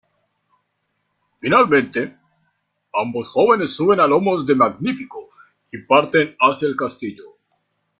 Finalmente, ambos jóvenes suben a lomos de Magnífico y parten hacia el castillo.